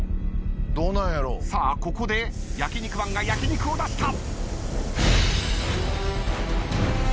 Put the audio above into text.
さあここで焼肉マンが焼き肉を出した。